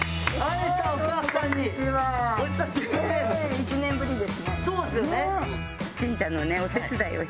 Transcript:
１年ぶりですね。